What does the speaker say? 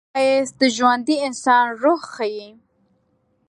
ښایست د ژوندي انسان روح ښيي